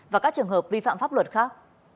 và các trường hợp vi phạm pháp luật khác